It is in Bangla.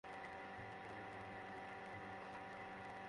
নানা কৌশলে নিচে নামানোর চেষ্টার একপর্যায়ে মামুন লাফ দিয়ে নিচে পড়েন।